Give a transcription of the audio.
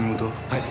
はい。